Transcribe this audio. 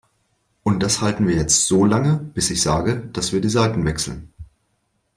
Und das halten wir jetzt so lange, bis ich sage, dass wir die Seiten wechseln.